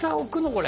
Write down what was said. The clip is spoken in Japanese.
これ。